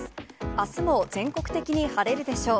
あすも全国的に晴れるでしょう。